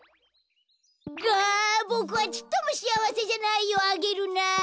ああっボクはちっともしあわせじゃないよアゲルナー！